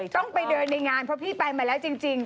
ต้องไปเดินในงานเพราะพี่ไปมาแล้วจริง